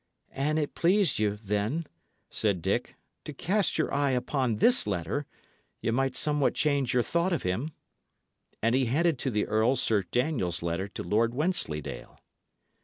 "An it pleased you, then," said Dick, "to cast your eye upon this letter, ye might somewhat change your thought of him;" and he handed to the earl Sir Daniel's letter to Lord Wensleydale.